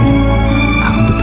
aku betul betul mencintai kamu